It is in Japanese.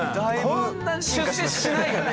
こんな出世しないよね？